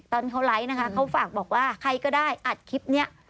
ตอนเขาไลค์นะคะเขาฝากบอกว่าใครก็ได้อัดคลิปนี้